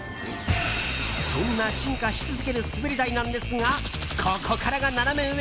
そんな進化し続ける滑り台なんですがここからがナナメ上。